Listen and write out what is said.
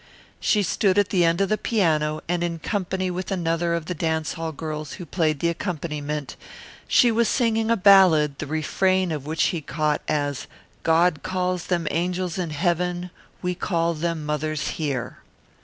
She stood at the end of the piano, and in company with another of the dance hall girls who played the accompaniment, she was singing a ballad the refrain of which he caught as "God calls them Angels in Heaven, we call them Mothers here."